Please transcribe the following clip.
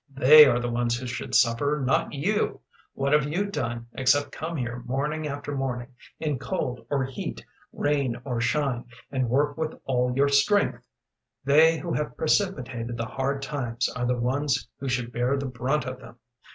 They are the ones who should suffer, not you. What have you done, except come here morning after morning in cold or heat, rain or shine, and work with all your strength? They who have precipitated the hard times are the ones who should bear the brunt of them.